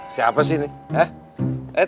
siapa sih ini